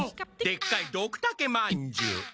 でっかいドクタケまんじゅう。